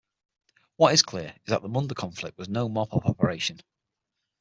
What is clear is that the Munda conflict was no mop-up operation.